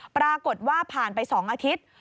ปรากฏว่าผ่านไป๒อาทิตย์